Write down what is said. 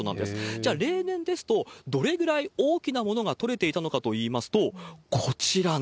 じゃあ、例年ですと、どれぐらい大きなものが取れていたのかというわー。